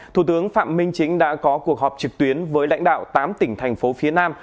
thủ tướng phạm minh chính đã có cuộc họp trực tuyến với lãnh đạo tám tỉnh thành phố phía nam